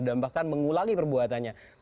dan bahkan mengulangi perbuatannya